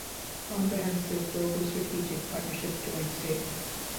Comprehensive Global Strategic Partnership Joint Statement.